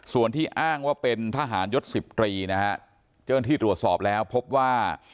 ส่วนที่อ้างว่าเป็นทหารยศ๑๐ตรีนะฮะเจ้าหน้าที่ตรวจสอบแล้วพบว่า